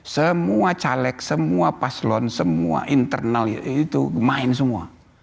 semua caleg semua paslon semua internal itu main semua